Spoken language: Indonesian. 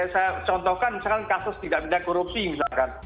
saya contohkan misalkan kasus tidak benda korupsi misalkan